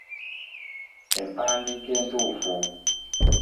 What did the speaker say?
Empandiika entuufu.